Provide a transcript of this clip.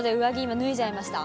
今、脱いじゃいました。